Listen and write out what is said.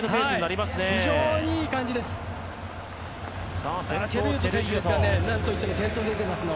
非常にいい感じです。